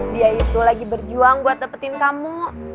dia itu lagi berjuang buat dapetin kamu